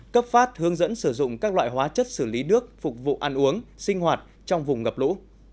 cấp phát hướng dẫn sử dụng các loại hóa chất xử lý nước phục vụ ăn uống sinh hoạt trong vùng ngập lũ